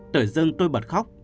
tự dưng tôi bật khóc